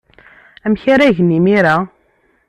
Amek ara gen imir-a?